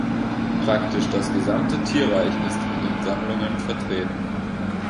Praktisch das gesamte Tierreich ist in den Sammlungen vertreten.